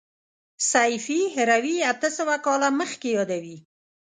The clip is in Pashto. سیفي هروي اته سوه کاله مخکې یادوي.